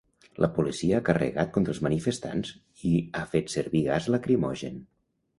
La policia ha carregat contra els manifestants i ha fet servir gas lacrimogen.